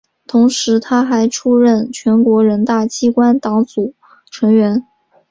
同时她还出任全国人大机关党组成员。